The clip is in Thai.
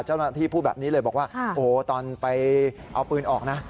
เจ้าหน้าที่พูดแบบนี้เลยบอกว่าโอ้โหตอนไปเอาปืนออกนะ